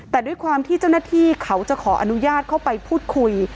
แต่ด้วยความที่เจ้าหน้าที่เขาจะขออนุญาตเข้าไปพูดคุย